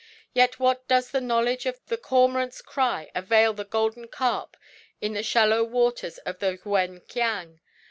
Yet what does the knowledge of the cormorant's cry avail the golden carp in the shallow waters of the Yuen Kiang?